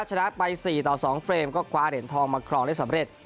ชนะไป๔ต่อ๒เฟรมก็คว้าเหรียญทองมาครองได้สำเร็จ